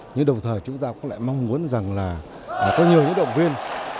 nhưng đồng thời chúng ta cũng lại mong muốn rằng là có nhiều những động viên